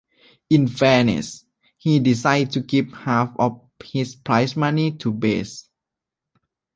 In fairness, he decided to give half of his prize money to Best.